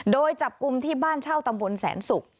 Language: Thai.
โดยจับกลุ่มที่บ้านเช่าตำบลแสนศุกร์